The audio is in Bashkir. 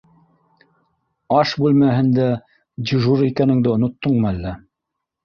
Аш бүлмәһендә дежур икәнеңде оноттоңмо әллә.